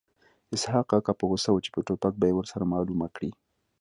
اسحق کاکا په غوسه و چې په ټوپک به یې ورسره معلومه کړي